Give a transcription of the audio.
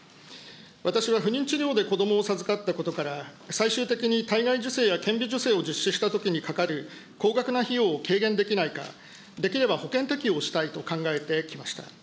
私は不妊治療で子どもを授かったことから、最終的に体外受精や権利受精を実施したときにかかる高額な費用を軽減できないか、できれば保険適用したいと考えてきました。